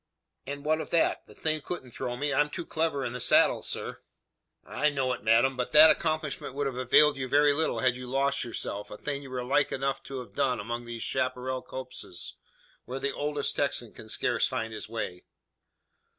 "And what of that? The thing couldn't throw me. I'm too clever in the saddle, sir." "I know it, madame; but that accomplishment would have availed you very little had you lost yourself, a thing you were like enough to have done among these chapparal copses, where the oldest Texan can scarce find his way."